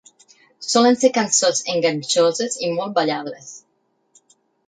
Solen ser cançons enganxoses i molt ballables.